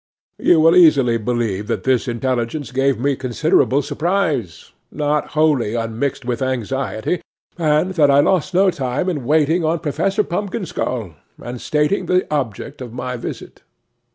'You will easily believe that this intelligence gave me considerable surprise, not wholly unmixed with anxiety, and that I lost no time in waiting on Professor Pumpkinskull, and stating the object of my visit.